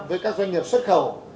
với các doanh nghiệp xuất khẩu